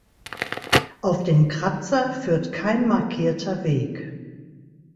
Auf den Kratzer führt kein markierter Weg.